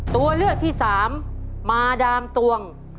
ตัวเลือกที่สามมาดามตวง